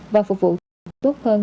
và phục vụ tốt hơn